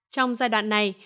trong giai đoạn này